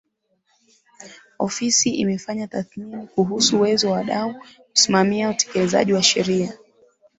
Ofisi imefanya tathmini kuhusu uwezo wa wadau kusimamia utekelezaji wa Sheria